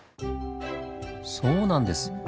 そうなんです。